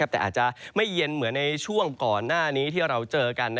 แต่อาจจะไม่เย็นเหมือนในช่วงก่อนหน้านี้ที่เราเจอกัน